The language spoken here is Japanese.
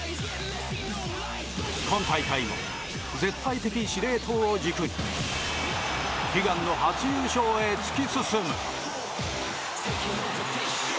今大会も絶対的司令塔を軸に悲願の初優勝へ突き進む！